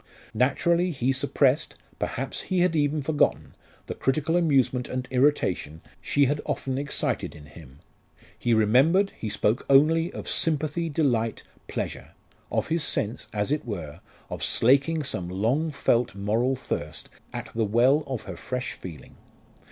Naturally he suppressed, perhaps he had even forgotten, the critical amusement and irritation she had often excited in him. He remembered, he spoke only of sympathy, delight, pleasure of his sense, as it were, of slaking some long felt moral thirst at the well of her fresh feeling.